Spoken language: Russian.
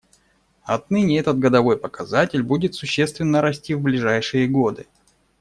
Отныне этот годовой показатель будет существенно расти в ближайшие годы.